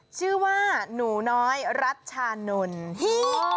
ชื่อว่าหนูน้อยรัชชานนฮี